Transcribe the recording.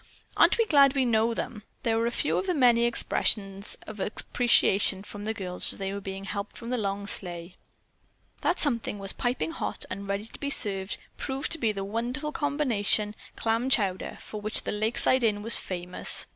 "Aren't we glad we know them!" were a few of the many expressions of appreciation from the girls as they were helped from the long sleigh. That "something" that was piping hot and ready to be served proved to be the wonderful combination clam chowder for which the Lakeside Inn was famous.